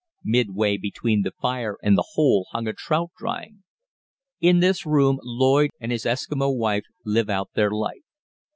Midway between the fire and the hole hung a trout drying. In this room Lloyd and his Eskimo wife live out their life.